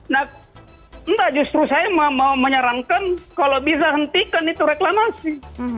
nah enggak justru saya mau menyarankan kalau bisa hentikan itu reklamasi